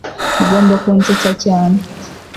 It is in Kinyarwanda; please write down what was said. ugomba kunsetsa cyane